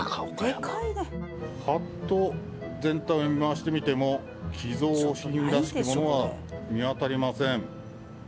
パッと全体を見回してみても寄贈品らしきものは見当たりません。